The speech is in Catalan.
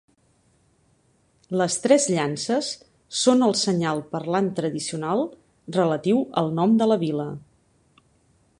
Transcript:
Les tres llances són el senyal parlant tradicional relatiu al nom de la vila.